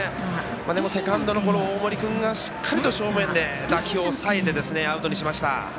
でもセカンドのゴロを大森君がしっかりと正面で打球を押さえてアウトにしました。